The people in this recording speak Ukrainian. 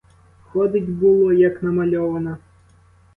Ходить, було, як намальована.